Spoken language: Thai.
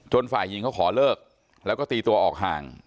ฝ่ายหญิงเขาขอเลิกแล้วก็ตีตัวออกห่าง